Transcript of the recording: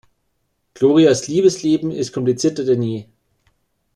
Glorias Liebesleben ist komplizierter denn je.